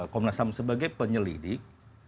komnas ham sebagai penyelidik